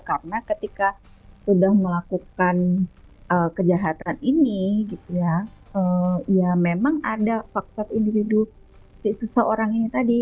karena ketika sudah melakukan kejahatan ini ya memang ada faktor individu seseorang ini tadi